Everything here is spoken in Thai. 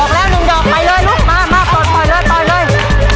ออกแล้วหนึ่งดอกไปเลยลุกมาต่อเลย